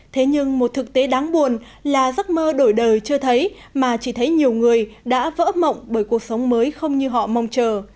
thế nhưng một thực tế đáng buồn là giấc mơ đổi đời chưa thấy mà chỉ thấy nhiều người đã vỡ mộng bởi cuộc sống mới không như họ mong chờ